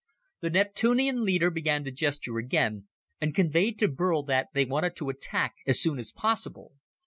The Neptunian leader began to gesture again, and conveyed to Burl that they wanted to attack as soon as possible.